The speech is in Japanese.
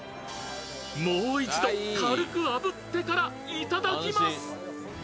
もう一度、軽くあぶってからいただきます。